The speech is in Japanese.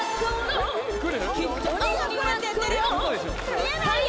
見えないよ！